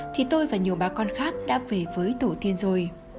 thì tôi và nhiều bà con khác đã về với tổ tiên rồi